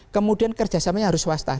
kemudian kerjasamanya harus waspada